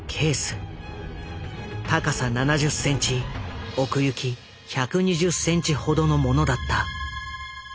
高さ７０センチ奥行き１２０センチほどのものだった。